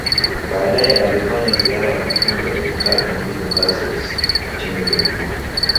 Baadae alifanya ziara ya mafunzo ya wiki tatu mjini Blasous nchini Ubeljiji